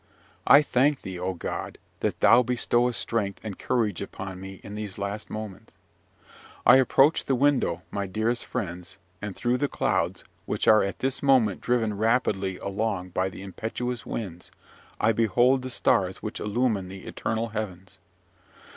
I thank thee, O God, that thou bestowest strength and courage upon me in these last moments! I approach the window, my dearest of friends; and through the clouds, which are at this moment driven rapidly along by the impetuous winds, I behold the stars which illumine the eternal heavens.